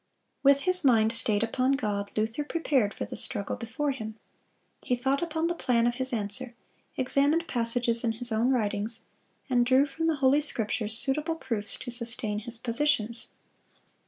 With his mind stayed upon God, Luther prepared for the struggle before him. He thought upon the plan of his answer, examined passages in his own writings, and drew from the Holy Scriptures suitable proofs to sustain his positions.